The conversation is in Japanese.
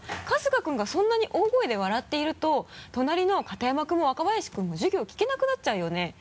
春日君がそんなに大声で笑っていると隣の片山君も若林君も授業聞けなくなっちゃうよね？